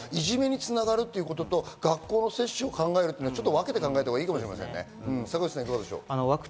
そこといじめに繋がるということと学校の接種を考えるというのは分けて考えたほうがいいかもしれませんね。